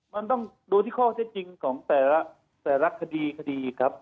มันต้องดูที่ข้อเท่าจริงของแต่ละคดี